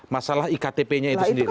masalah iktp nya itu sendiri